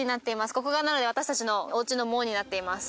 ここが私たちのおうちの門になっています。